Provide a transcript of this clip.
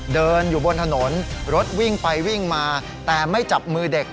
เดินอยู่บนถนนรถวิ่งไปวิ่งมาแต่ไม่จับมือเด็ก